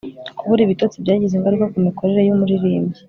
kubura ibitotsi byagize ingaruka kumikorere yumuririmbyi